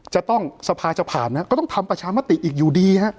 สภาจะผ่านนะก็ต้องทำประชามติอีกอยู่ดีฮะ